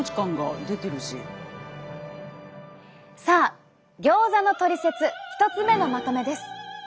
さあギョーザのトリセツ１つ目のまとめです。